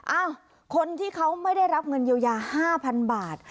เอ้าคนที่เขาไม่ได้รับเงินเยียวยา๕๐๐๐บาท